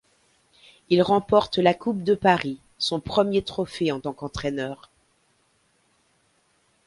Il remporte la Coupe de Paris, son premier trophée en tant qu'entraîneur.